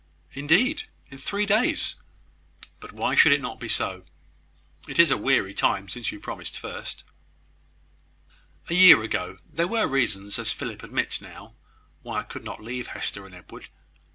"Indeed! in three days! But why should it not be so? It is a weary time since you promised first." "A year ago, there were reasons, as Philip admits now, why I could not leave Hester and Edward.